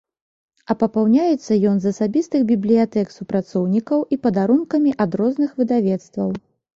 А папаўняецца ён з асабістых бібліятэк супрацоўнікаў і падарункамі ад розных выдавецтваў.